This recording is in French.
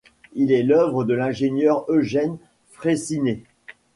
Il est l’œuvre de l’ingénieur Eugène Freyssinet.